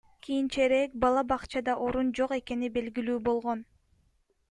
Кийинчерээк бала бакчада орун жок экени белгилүү болгон.